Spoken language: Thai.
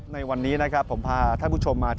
ในวันนี้นะครับผมพาท่านผู้ชมมา